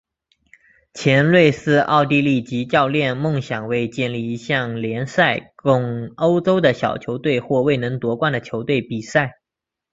前瑞士奥地利籍教练梦想为建立一项联赛供欧洲的小球队或未能夺冠的球队比赛。